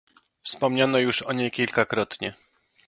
Wspominano już o niej kilkakrotnie